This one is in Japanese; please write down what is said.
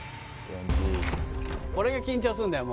これが緊張するんだよ